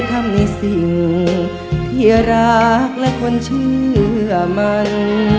ทำในสิ่งที่รักและคนเชื่อมัน